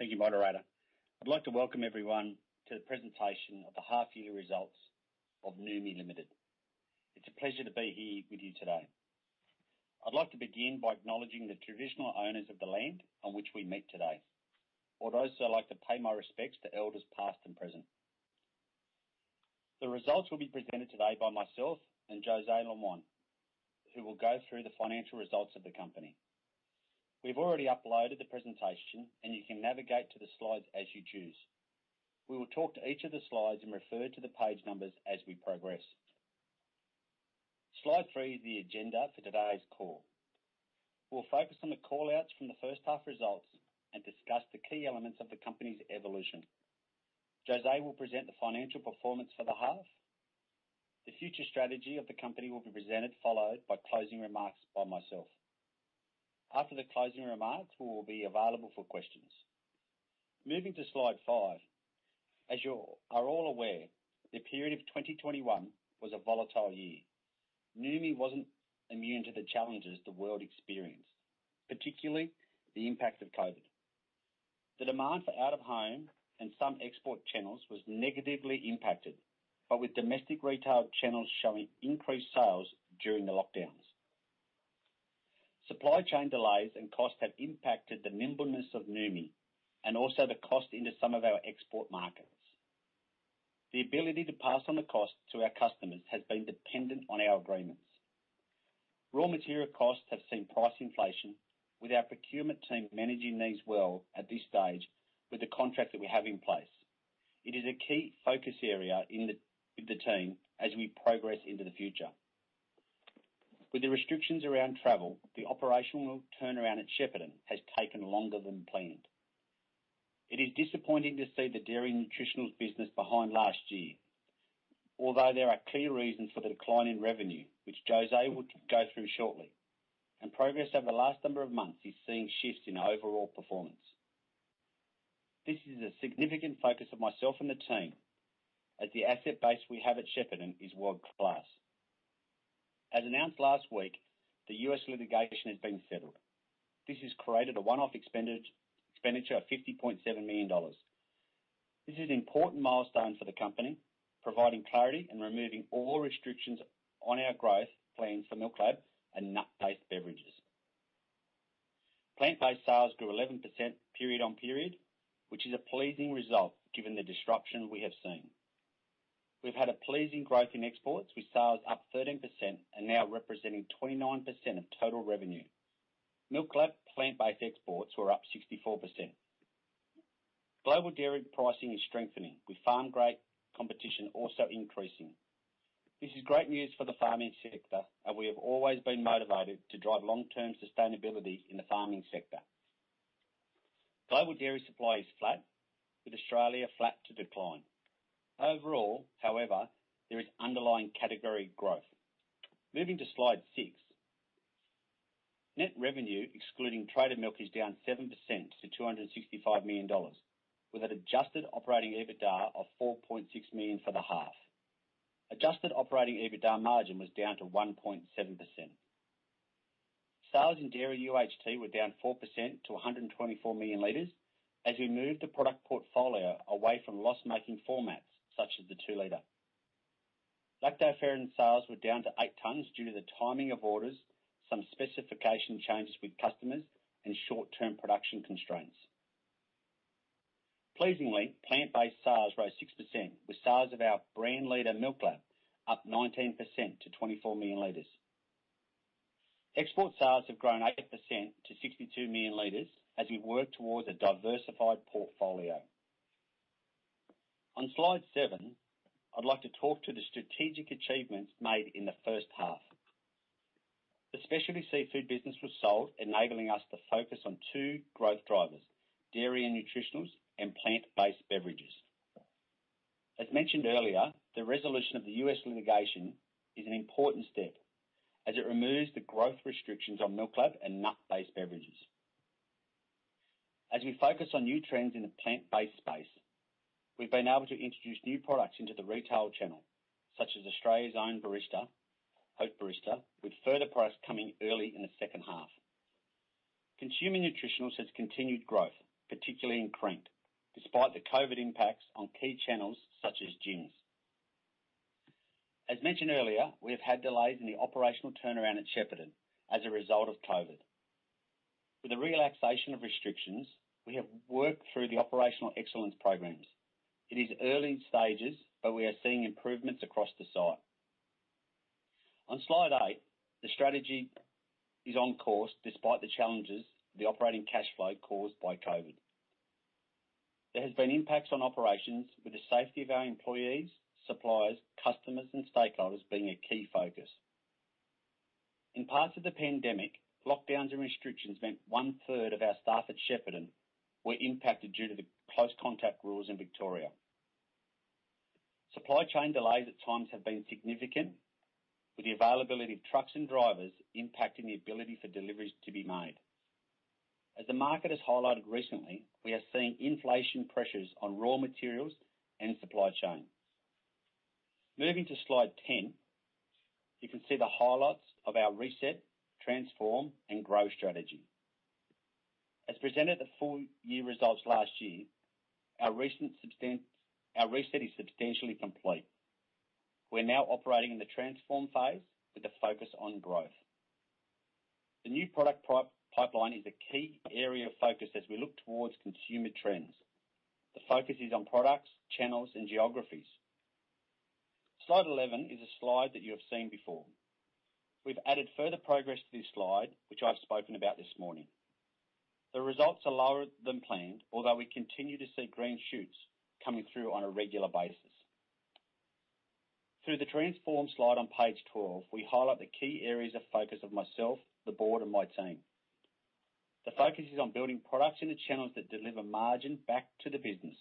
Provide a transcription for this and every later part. Thank you, moderator. I'd like to welcome everyone to the presentation of the half year results of Noumi Limited. It's a pleasure to be here with you today. I'd like to begin by acknowledging the traditional owners of the land on which we meet today. I would also like to pay my respects to elders past and present. The results will be presented today by myself and Josée Lemoine, who will go through the financial results of the company. We've already uploaded the presentation, and you can navigate to the slides as you choose. We will talk to each of the slides and refer to the page numbers as we progress. Slide three is the agenda for today's call. We'll focus on the call-outs from the H1 results and discuss the key elements of the company's evolution. Josée will present the financial performance for the half. The future strategy of the company will be presented, followed by closing remarks by myself. After the closing remarks, we will be available for questions. Moving to slide five. As you are all aware, the period of 2021 was a volatile year. Noumi wasn't immune to the challenges the world experienced, particularly the impact of COVID. The demand for out-of-home and some export channels was negatively impacted, but with domestic retail channels showing increased sales during the lockdowns. Supply chain delays and costs have impacted the nimbleness of Noumi and also the cost into some of our export markets. The ability to pass on the cost to our customers has been dependent on our agreements. Raw material costs have seen price inflation with our procurement team managing these well at this stage with the contract that we have in place. It is a key focus area with the team as we progress into the future. With the restrictions around travel, the operational turnaround at Shepparton has taken longer than planned. It is disappointing to see the Dairy Nutritionals business behind last year, although there are clear reasons for the decline in revenue, which Josee will go through shortly, and progress over the last number of months is seeing shifts in overall performance. This is a significant focus of myself and the team as the asset base we have at Shepparton is world-class. As announced last week, the U.S. litigation has been settled. This has created a one-off expenditure of 50.7 million dollars. This is an important milestone for the company, providing clarity and removing all restrictions on our growth plans for MILKLAB and nut-based beverages. Plant-based sales grew 11% period on period, which is a pleasing result given the disruption we have seen. We've had a pleasing growth in exports, with sales up 13% and now representing 29% of total revenue. MILKLAB plant-based exports were up 64%. Global dairy pricing is strengthening, with farm gate competition also increasing. This is great news for the farming sector, and we have always been motivated to drive long-term sustainability in the farming sector. Global dairy supply is flat, with Australia flat to decline. Overall, however, there is underlying category growth. Moving to slide six. Net revenue, excluding traded milk, is down 7% to 265 million dollars, with an adjusted operating EBITDA of 4.6 million for the half. Adjusted operating EBITDA margin was down to 1.7%. Sales in dairy UHT were down 4% to 124 million liters as we moved the product portfolio away from loss-making formats such as the two-liter. Lactoferrin sales were down to eight tons due to the timing of orders, some specification changes with customers, and short-term production constraints. Pleasingly, plant-based sales rose 6% with sales of our brand leader, MILKLAB, up 19% to 24 million liters. Export sales have grown 8% to 62 million liters as we work towards a diversified portfolio. On slide seven, I'd like to talk to the strategic achievements made in the H1. The Specialty Seafood business was sold, enabling us to focus on two growth drivers, Dairy and Nutritionals and plant-based beverages. As mentioned earlier, the resolution of the U.S. litigation is an important step as it removes the growth restrictions on MILKLAB and nut-based beverages. As we focus on new trends in the plant-based space, we've been able to introduce new products into the retail channel, such as Australia's Own Barista, So Natural Barista, with further products coming early in the second half. Consumer Nutritionals has continued growth, particularly in Crankt, despite the COVID impacts on key channels such as gyms. As mentioned earlier, we have had delays in the operational turnaround at Shepparton as a result of COVID. With the relaxation of restrictions, we have worked through the operational excellence programs. It is early stages, but we are seeing improvements across the site. On slide eight, the strategy is on course despite the challenges the operating cash flow caused by COVID. There has been impacts on operations with the safety of our employees, suppliers, customers and stakeholders being a key focus. In parts of the pandemic, lockdowns and restrictions meant one-third of our staff at Shepparton were impacted due to the close contact rules in Victoria. Supply chain delays at times have been significant, with the availability of trucks and drivers impacting the ability for deliveries to be made. As the market has highlighted recently, we are seeing inflation pressures on raw materials and supply chain. Moving to slide 10, you can see the highlights of our Reset, Transform, and Grow strategy. As presented at the full-year results last year, our reset is substantially complete. We're now operating in the transform phase with a focus on growth. The new product pipeline is a key area of focus as we look towards consumer trends. The focus is on products, channels, and geographies. Slide 11 is a slide that you have seen before. We've added further progress to this slide, which I've spoken about this morning. The results are lower than planned, although we continue to see green shoots coming through on a regular basis. Through the transform slide on page 12, we highlight the key areas of focus of myself, the board, and my team. The focus is on building products in the channels that deliver margin back to the business.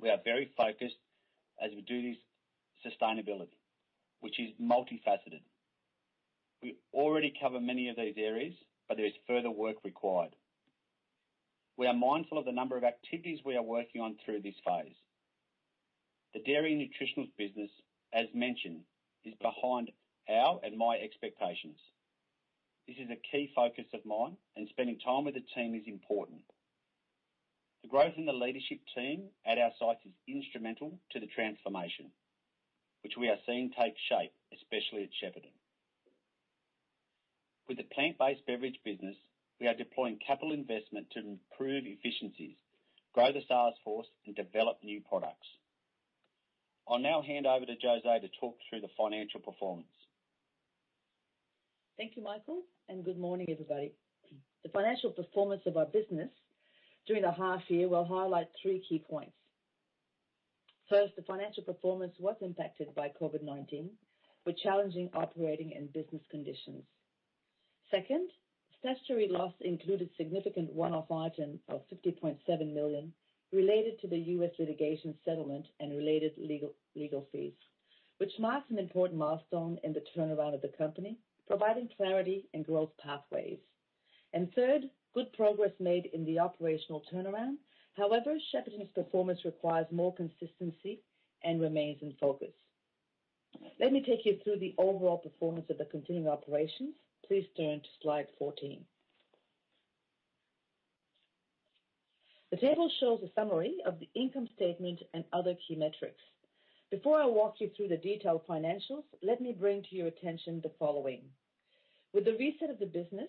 We are very focused as we do this sustainability, which is multifaceted. We already cover many of these areas, but there is further work required. We are mindful of the number of activities we are working on through this phase. The Dairy and Nutritionals business, as mentioned, is behind our and my expectations. This is a key focus of mine, and spending time with the team is important. The growth in the leadership team at our sites is instrumental to the transformation which we are seeing take shape, especially at Shepparton. With the plant-based beverage business, we are deploying capital investment to improve efficiencies, grow the sales force, and develop new products. I'll now hand over to Josee to talk through the financial performance. Thank you, Michael, and good morning, everybody. The financial performance of our business during the half year will highlight three key points. First, the financial performance was impacted by COVID-19 with challenging operating and business conditions. Second, statutory loss included significant one-off impairment of 50.7 million related to the U.S. litigation settlement and related legal fees, which marks an important milestone in the turnaround of the company, providing clarity and growth pathways. Third, good progress made in the operational turnaround. However, Shepparton's performance requires more consistency and remains in focus. Let me take you through the overall performance of the continuing operations. Please turn to slide 14. The table shows a summary of the income statement and other key metrics. Before I walk you through the detailed financials, let me bring to your attention the following. With the reset of the business,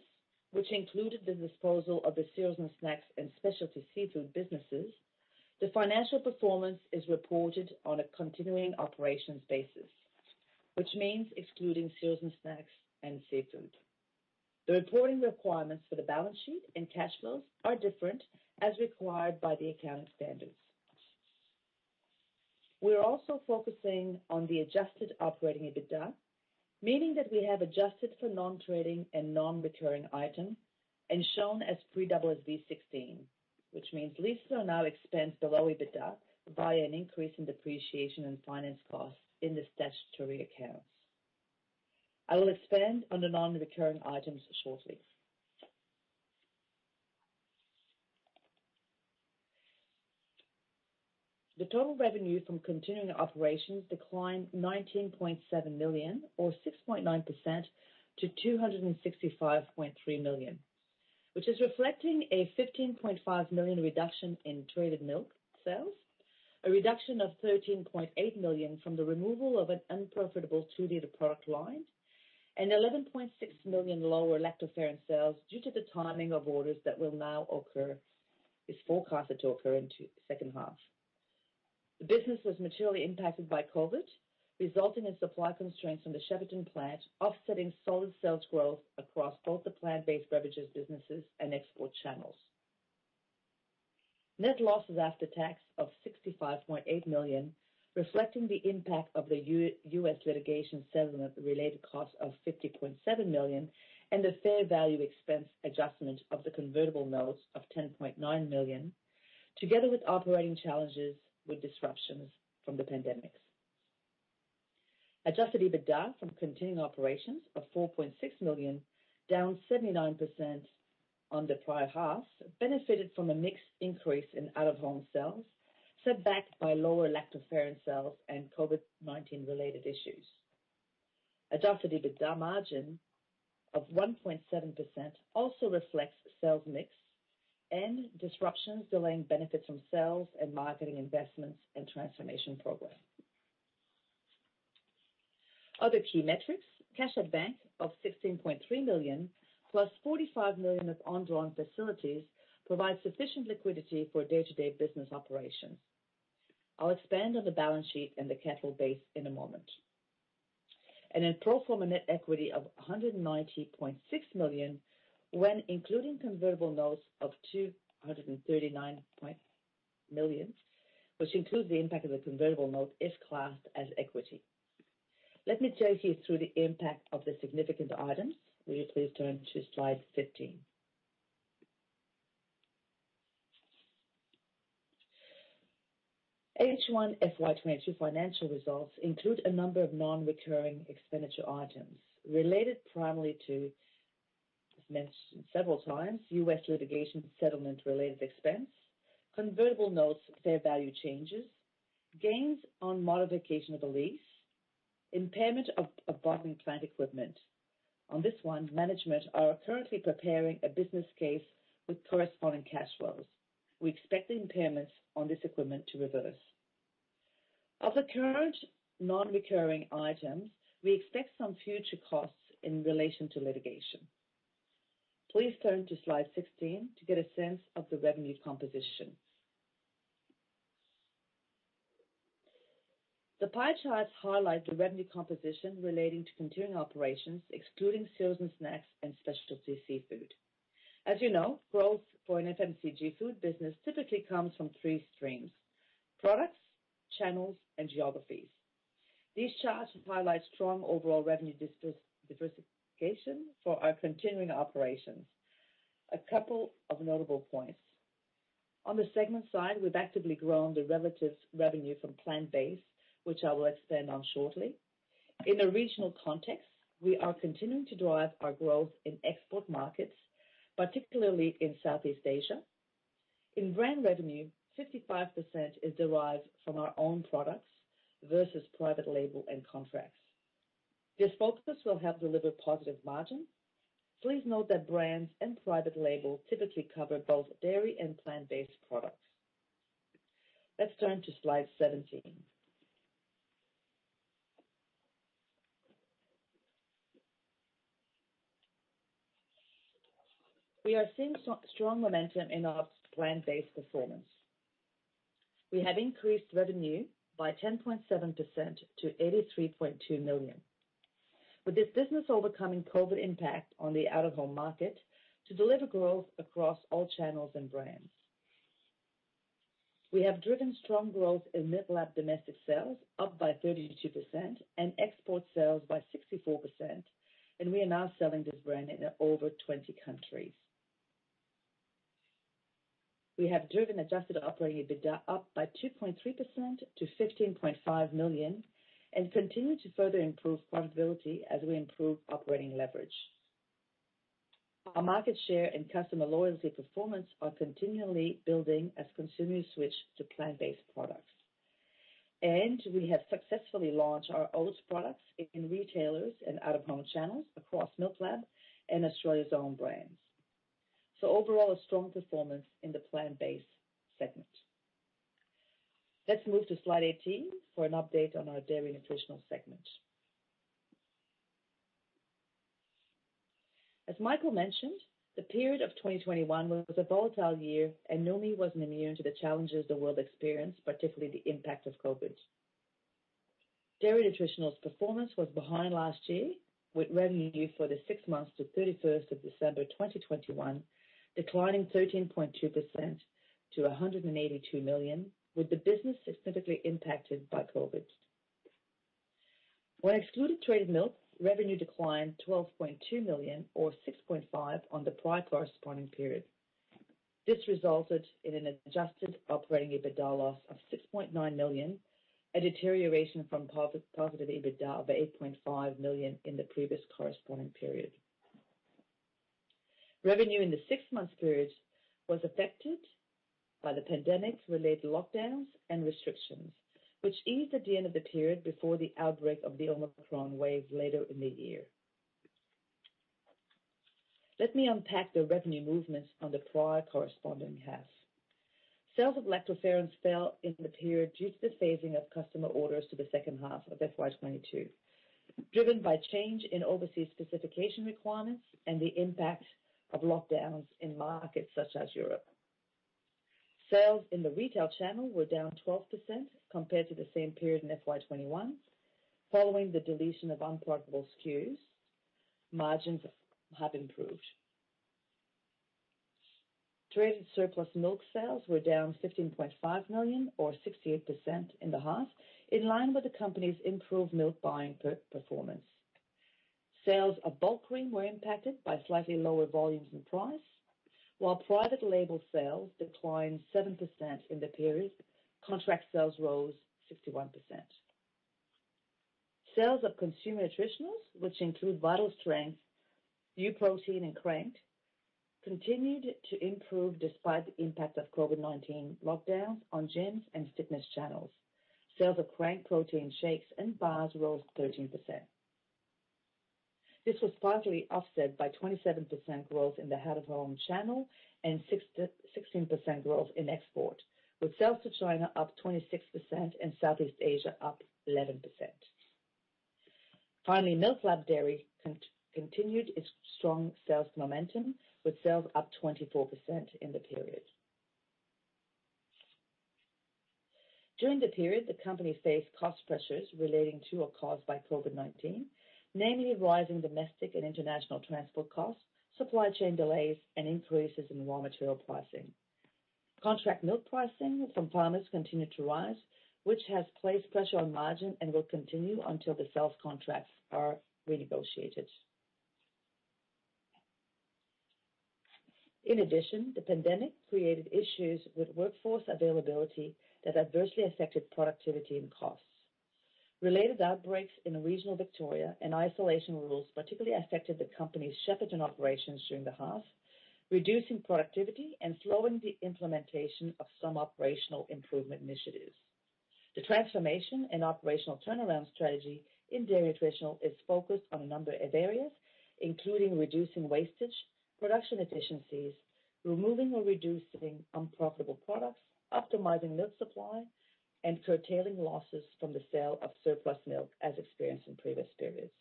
which included the disposal of the Cereals and Snacks and Specialty Seafood businesses, the financial performance is reported on a continuing operations basis, which means excluding Cereals and Snacks and seafood. The reporting requirements for the balance sheet and cash flows are different as required by the accounting standards. We're also focusing on the adjusted operating EBITDA, meaning that we have adjusted for non-trading and non-recurring items and shown as pre-AASB 16, which means Leases now expands below EBITDA by an increase in depreciation and finance costs in the statutory accounts. I will expand on the non-recurring items shortly. The total revenue from continuing operations declined 19.7 million or 6.9% to 265.3 million, which is reflecting a 15.5 million reduction in traded milk sales, a reduction of 13.8 million from the removal of an unprofitable two-liter product line, and 11.6 million lower Lactoferrin sales due to the timing of orders that is forecasted to occur into H2. The business was materially impacted by COVID, resulting in supply constraints from the Shepparton plant, offsetting solid sales growth across both the plant-based beverages businesses and export channels. Net losses after tax of 65.8 million, reflecting the impact of the U.S. litigation settlement-related cost of 50.7 million and the fair value expense adjustment of the convertible notes of 10.9 million, together with operating challenges with disruptions from the pandemics. Adjusted EBITDA from continuing operations of 4.6 million, down 79% on the prior half, benefited from a modest increase in out-of-home sales, set back by lower Lactoferrin sales and COVID-19 related issues. Adjusted EBITDA margin of 1.7% also reflects sales mix and disruptions delaying benefits from sales and marketing investments and transformation progress. Other key metrics, cash at bank of 16.3 million plus 45 million of undrawn facilities provide sufficient liquidity for day-to-day business operations. I'll expand on the balance sheet and the capital base in a moment. Pro forma net equity of 190.6 million when including convertible notes of 239 million, which includes the impact of the convertible note if classed as equity. Let me take you through the impact of the significant items. Will you please turn to slide 15. H1 FY 2022 financial results include a number of non-recurring expenditure items related primarily to. As mentioned several times, U.S. litigation settlement related expense, convertible notes, fair value changes, gains on modification of a lease, impairment of bottling plant equipment. On this one, management are currently preparing a business case with corresponding cash flows. We expect the impairments on this equipment to reverse. Of the current non-recurring items, we expect some future costs in relation to litigation. Please turn to slide 16 to get a sense of the revenue composition. The pie charts highlight the revenue composition relating to continuing operations, excluding Cereals and Snacks and Specialty Seafood. As you know, growth for an FMCG food business typically comes from three streams: products, channels, and geographies. These charts highlight strong overall revenue diversification for our continuing operations. A couple of notable points. On the segment side, we've actively grown the relative revenue from plant-based, which I will expand on shortly. In a regional context, we are continuing to drive our growth in export markets, particularly in Southeast Asia. In brand revenue, 55% is derived from our own products versus private label and contracts. This focus will help deliver positive margin. Please note that brands and private label typically cover both dairy and plant-based products. Let's turn to slide 17. We are seeing strong momentum in our plant-based performance. We have increased revenue by 10.7% to 83.2 million, with this business overcoming COVID impact on the out of home market to deliver growth across all channels and brands. We have driven strong growth in MILKLAB domestic sales, up by 32% and export sales by 64%, and we are now selling this brand in over 20 countries. We have driven adjusted operating EBITDA up by 2.3% to 15.5 million and continue to further improve profitability as we improve operating leverage. Our market share and customer loyalty performance are continually building as consumers switch to plant-based products. We have successfully launched our oats products in retailers and out of home channels across MILKLAB and Australia's Own brands. Overall, a strong performance in the plant-based segment. Let's move to slide 18 for an update on our Dairy and Nutritionals segment. As Michael mentioned, the period of 2021 was a volatile year, and Noumi wasn't immune to the challenges the world experienced, particularly the impact of COVID. Dairy and Nutritionals performance was behind last year, with revenue for the six months to December 31st, 2021 declining 13.2% to 182 million, with the business specifically impacted by COVID. When excluded traded milk, revenue declined 12.2 million or 6.5% on the prior corresponding period. This resulted in an adjusted operating EBITDA loss of 6.9 million, a deterioration from profit EBITDA of 8.5 million in the previous corresponding period. Revenue in the six-month period was affected by the pandemic related lockdowns and restrictions, which eased at the end of the period before the outbreak of the Omicron wave later in the year. Let me unpack the revenue movements on the prior corresponding half. Sales of Lactoferrin fell in the period due to the phasing of customer orders to the second half of FY 2022, driven by change in overseas specification requirements and the impact of lockdowns in markets such as Europe. Sales in the retail channel were down 12% compared to the same period in FY 2021. Following the deletion of unprofitable SKUs, margins have improved. Traded surplus milk sales were down 15.5 million or 68% in the half, in line with the company's improved milk buying performance. Sales of bulk cream were impacted by slightly lower volumes and price. While private label sales declined 7% in the period, contract sales rose 61%. Sales of Consumer Nutritionals, which include Vitalstrength, uProtein and Crankt, continued to improve despite the impact of COVID-19 lockdowns on gyms and fitness channels. Sales of Crankt protein shakes and bars rose 13%. This was partly offset by 27% growth in the out of home channel and 6%-16% growth in export, with sales to China up 26% and Southeast Asia up 11%. Finally, MILKLAB Dairy continued its strong sales momentum with sales up 24% in the period. During the period, the company faced cost pressures relating to or caused by COVID-19, namely rising domestic and international transport costs, supply chain delays, and increases in raw material pricing. Contract milk pricing from farmers continued to rise, which has placed pressure on margin and will continue until the sales contracts are renegotiated. In addition, the pandemic created issues with workforce availability that adversely affected productivity and costs. Related outbreaks in regional Victoria and isolation rules particularly affected the company's Shepparton operations during the half, reducing productivity and slowing the implementation of some operational improvement initiatives. The transformation and operational turnaround strategy in Dairy and Nutritionals is focused on a number of areas, including reducing wastage, production efficiencies, removing or reducing unprofitable products, optimizing milk supply, and curtailing losses from the sale of surplus milk as experienced in previous periods.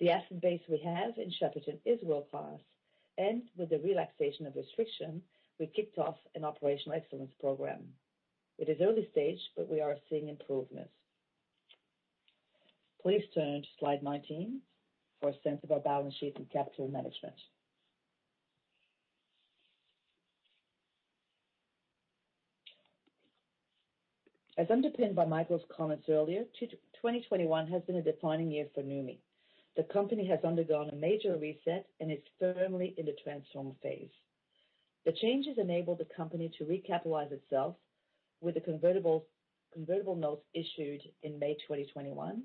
The asset base we have in Shepparton is world-class, and with the relaxation of restriction, we kicked off an operational excellence program. It is early stage, but we are seeing improvements. Please turn to slide 19 for a sense of our balance sheet and capital management. As underpinned by Michael's comments earlier, 2021 has been a defining year for Noumi. The company has undergone a major reset and is firmly in the transform phase. The changes enable the company to recapitalize itself with the convertible notes issued in May 2021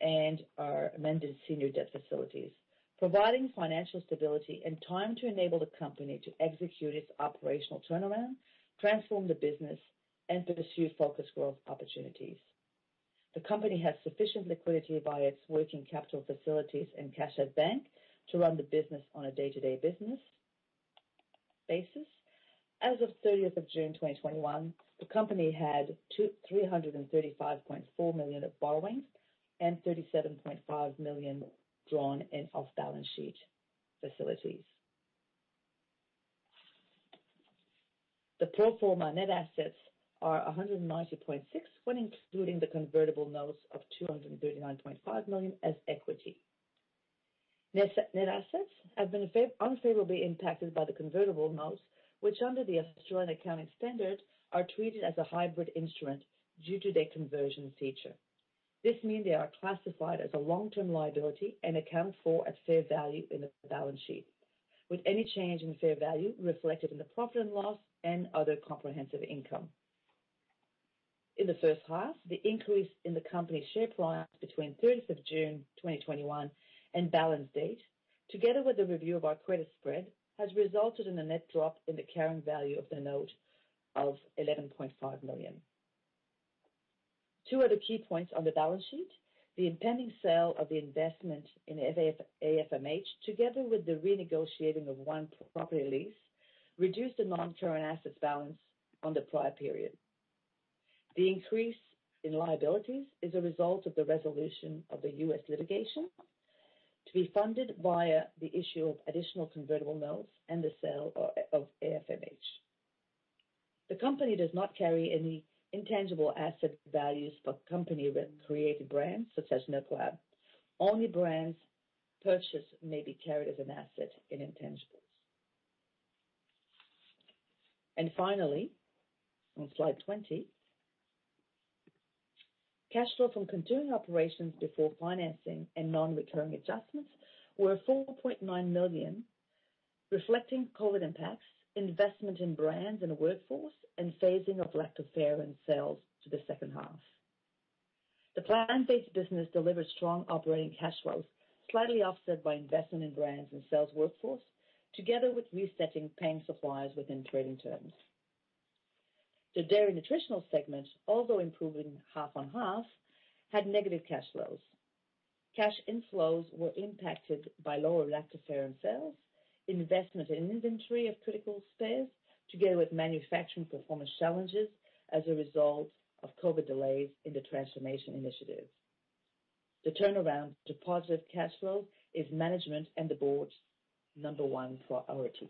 and our amended senior debt facilities, providing financial stability and time to enable the company to execute its operational turnaround, transform the business, and to pursue focused growth opportunities. The company has sufficient liquidity via its working capital facilities and cash at bank to run the business on a day-to-day business basis. As of June 30th, 2021, the company had 335.4 million of borrowings and 37.5 million drawn in off-balance sheet facilities. The pro forma net assets are 190.6 million when including the convertible notes of 239.5 million as equity. Net assets have been unfavorably impacted by the convertible notes, which, under the Australian accounting standard, are treated as a hybrid instrument due to their conversion feature. This means they are classified as a long-term liability and accounted for at fair value in the balance sheet, with any change in fair value reflected in the profit and loss and other comprehensive income. In the first half, the increase in the company's share price between June 30th, 2021 and balance date, together with the review of our credit spread, has resulted in a net drop in the carrying value of the note of 11.5 million. Two other key points on the balance sheet, the impending sale of the investment in AFMH, together with the renegotiating of one property lease, reduced the long-term assets balance from the prior period. The increase in liabilities is a result of the resolution of the U.S. litigation to be funded via the issue of additional convertible notes and the sale of AFMH. The company does not carry any intangible asset values for company-created brands such as MILKLAB. Only brands purchased may be carried as an asset in intangibles. Finally, on slide 20, cash flow from continuing operations before financing and non-recurring adjustments were 4.9 million, reflecting COVID impacts, investment in brands and workforce, and phasing of Lactoferrin sales to the H2. The plant-based business delivered strong operating cash flows, slightly offset by investment in brands and sales workforce, together with resetting payments to suppliers within trading terms. The Dairy and Nutritionals segment, although improving half on half, had negative cash flows. Cash inflows were impacted by lower Lactoferrin sales, investment in inventory of critical spares, together with manufacturing performance challenges as a result of COVID delays in the transformation initiative. The turnaround to positive cash flow is management and the board's number one priority.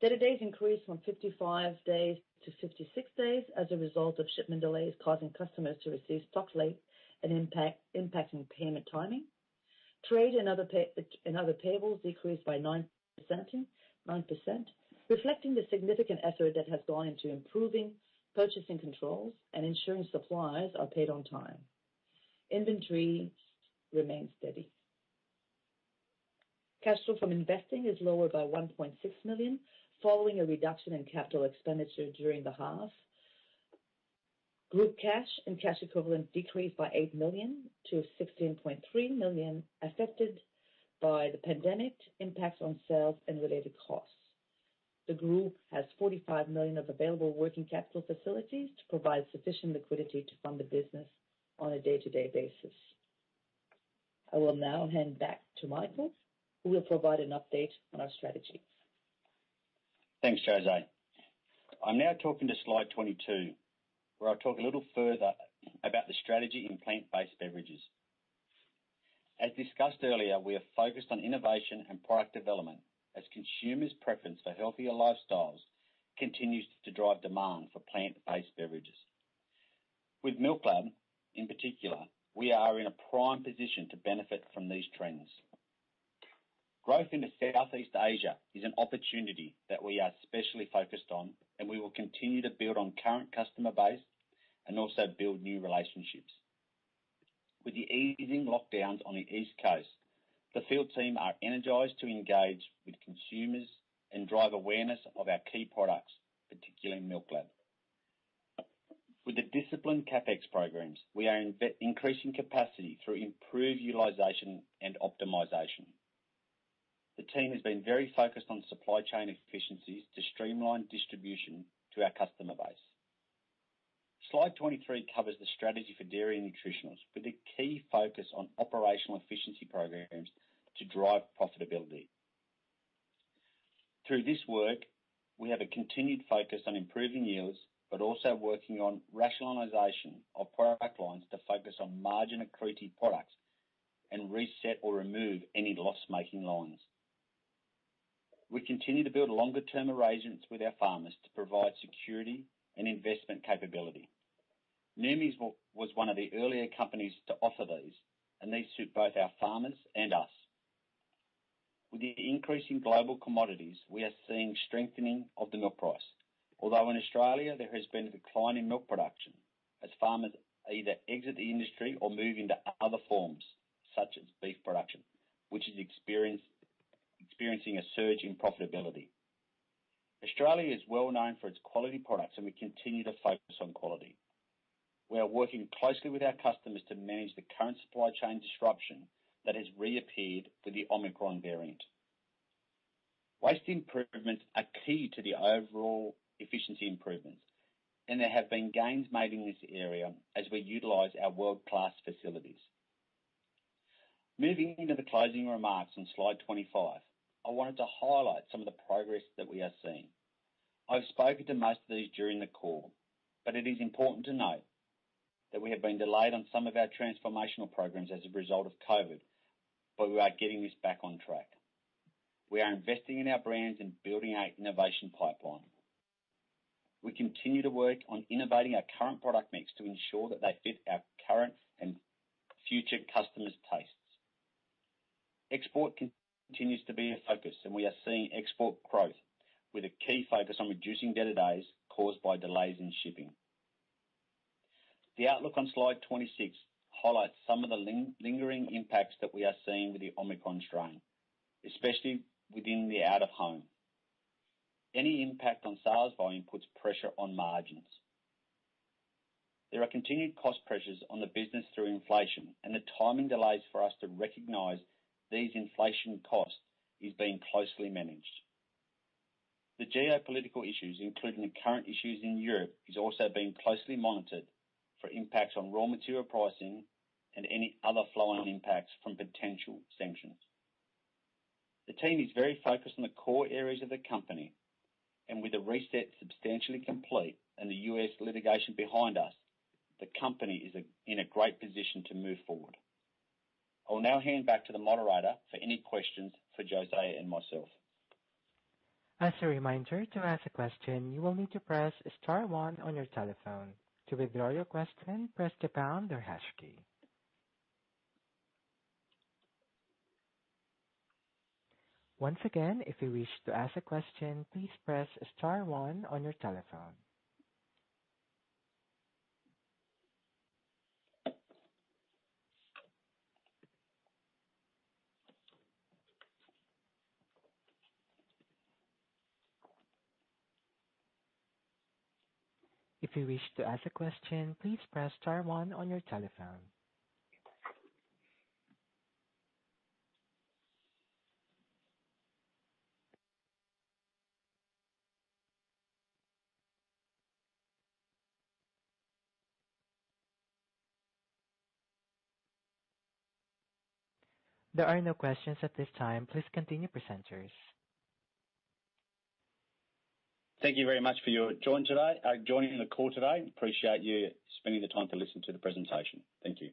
Debt days increased from 55 days to 56 days as a result of shipment delays, causing customers to receive stocks late and impacting payment timing. Trade and other payables decreased by 9%, reflecting the significant effort that has gone into improving purchasing controls and ensuring suppliers are paid on time. Inventories remain steady. Cash flow from investing is lower by 1.6 million, following a reduction in capital expenditure during the half. Group cash and cash equivalents decreased by 8 million to 16.3 million, affected by the pandemic's impact on sales and related costs. The group has 45 million of available working capital facilities to provide sufficient liquidity to fund the business on a day-to-day basis. I will now hand back to Michael, who will provide an update on our strategy. Thanks, Josee. I'm now talking to slide 22, where I'll talk a little further about the strategy in plant-based beverages. As discussed earlier, we are focused on innovation and product development as consumers' preference for healthier lifestyles continues to drive demand for plant-based beverages. With MILKLAB, in particular, we are in a prime position to benefit from these trends. Growth into Southeast Asia is an opportunity that we are especially focused on, and we will continue to build on current customer base and also build new relationships. With the easing lockdowns on the East Coast, the field team are energized to engage with consumers and drive awareness of our key products, particularly MILKLAB. With the disciplined CapEx programs, we are increasing capacity through improved utilization and optimization. The team has been very focused on supply chain efficiencies to streamline distribution to our customer base. Slide 23 covers the strategy for Dairy and Nutritionals, with a key focus on operational efficiency programs to drive profitability. Through this work, we have a continued focus on improving yields but also working on rationalization of product lines to focus on margin-accretive products and reset or remove any loss-making lines. We continue to build longer-term arrangements with our farmers to provide security and investment capability. Noumi's was one of the earlier companies to offer these, and these suit both our farmers and us. With the increase in global commodities, we are seeing strengthening of the milk price. Although in Australia there has been a decline in milk production as farmers either exit the industry or move into other forms such as beef production, which is experiencing a surge in profitability. Australia is well known for its quality products and we continue to focus on quality. We are working closely with our customers to manage the current supply chain disruption that has reappeared with the Omicron variant. Waste improvements are key to the overall efficiency improvements, and there have been gains made in this area as we utilize our world-class facilities. Moving into the closing remarks on slide 25, I wanted to highlight some of the progress that we are seeing. I've spoken to most of these during the call, but it is important to note that we have been delayed on some of our transformational programs as a result of COVID, but we are getting this back on track. We are investing in our brands and building our innovation pipeline. We continue to work on innovating our current product mix to ensure that they fit our current and future customers' tastes. Export continues to be a focus and we are seeing export growth with a key focus on reducing debtor days caused by delays in shipping. The outlook on slide 26 highlights some of the lingering impacts that we are seeing with the Omicron strain, especially within the out of home. Any impact on sales volume puts pressure on margins. There are continued cost pressures on the business through inflation and the timing delays for us to recognize these inflation costs is being closely managed. The geopolitical issues, including the current issues in Europe, is also being closely monitored for impacts on raw material pricing and any other flow on impacts from potential sanctions. The team is very focused on the core areas of the company and with the reset substantially complete and the US litigation behind us, the company is in a great position to move forward. I'll now hand back to the moderator for any questions for Josee and myself. As a reminder, to ask a question, you will need to press star one on your telephone. To withdraw your question, press the pound or hash key. Once again, if you wish to ask a question, please press star one on your telephone. If you wish to ask a question, please press star one on your telephone. There are no questions at this time. Please continue, presenters. Thank you very much for joining today, joining the call today. Appreciate you spending the time to listen to the presentation. Thank you.